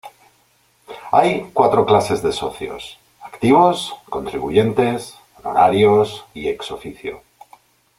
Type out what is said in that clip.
Hay cuatros clases de socios: activos, contribuyentes, honorarios y ex-oficio.